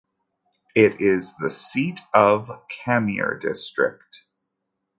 It is the seat of Khamir District.